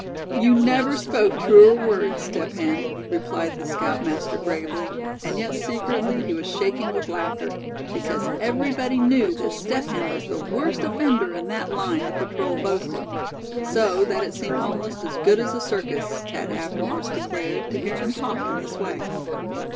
"You never spoke truer words, Step Hen," replied the scoutmaster, gravely; and yet secretly he was shaking with laughter, because everybody knew that Step Hen was the worst offender in that line the patrol boasted; so that it seemed almost as "good as a circus," Thad afterwards declared, to hear him talk in this way.